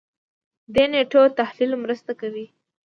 دې نېټو تحلیل مرسته کوي.